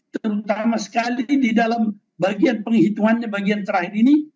terutama sekali di dalam bagian penghitungannya bagian terakhir ini